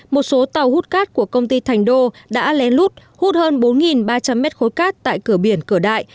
một số tàu hút cát của công ty thành đô đã lén lút hút hút hơn bốn ba trăm linh mét khối cát tại cửa biển cửa đại